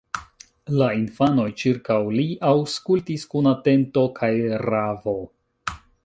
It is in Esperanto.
La infanoj ĉirkaŭ li aŭskultis kun atento kaj ravo.